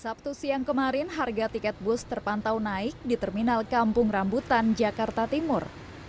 sabtu siang kemarin harga tiket bus terpantau naik di terminal kampung rambutan jakarta timur